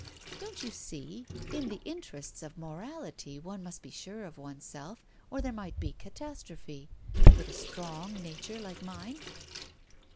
Don't you see, in the interests of morality, one must be sure of oneself, or there might be catastrophe, with a strong nature like mine